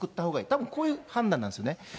たぶんこういう判断なんですよね。